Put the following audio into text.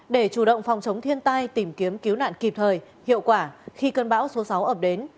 để chủ động phòng chống thiên tai tìm kiếm cứu nạn kịp thời hiệu quả khi cơn bão số sáu ập đến